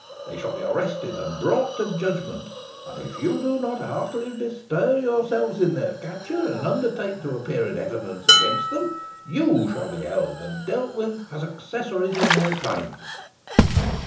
They shall be arrested and brought to judgment; and if you do not heartily bestir yourselves in their capture, and undertake to appear in evidence against them, you shall be held and dealt with as accessories in their crimes."